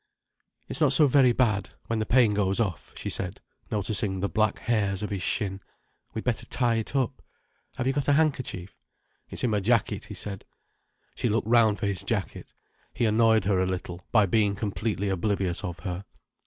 "It's not so very bad, when the pain goes off," she said, noticing the black hairs of his shin. "We'd better tie it up. Have you got a handkerchief?" "It's in my jacket," he said. She looked round for his jacket. He annoyed her a little, by being completely oblivious of her.